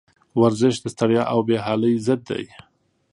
ورزش د ستړیا او بېحالي ضد دی.